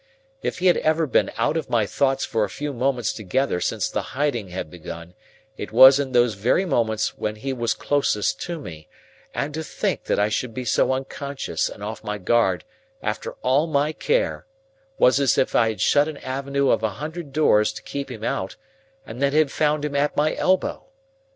For if he had ever been out of my thoughts for a few moments together since the hiding had begun, it was in those very moments when he was closest to me; and to think that I should be so unconscious and off my guard after all my care was as if I had shut an avenue of a hundred doors to keep him out, and then had found him at my elbow.